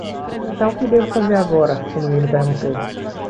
"Então, o que devo fazer agora?" o menino perguntou.